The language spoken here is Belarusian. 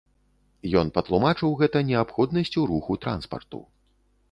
Ён патлумачыў гэта неабходнасцю руху транспарту.